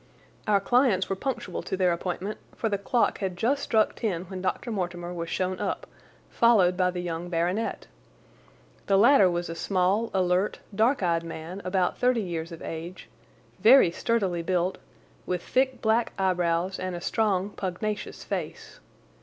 Our clients were punctual to their appointment, for the clock had just struck ten when Dr. Mortimer was shown up, followed by the young baronet. The latter was a small, alert, dark eyed man about thirty years of age, very sturdily built, with thick black eyebrows and a strong, pugnacious face.